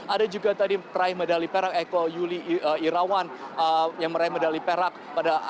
ada juga tadi peraih medali perak eko yuli irawan yang meraih medali perak pada